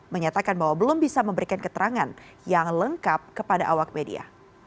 menyatakan bahwa belum bisa memberikan keterangan yang lengkap kepada awak media